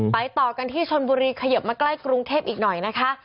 ต่อกันที่ชนบุรีเขยิบมาใกล้กรุงเทพอีกหน่อยนะคะ